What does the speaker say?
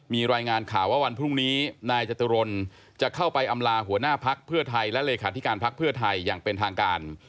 มีรายงานข่าวว่าวันพรุ่งนี้นายจตุรนจะเข้าไปอำลาหัวหน้าพักเพื่อไทยและเลขาธิการพักเพื่อไทยอย่างเป็นทางการ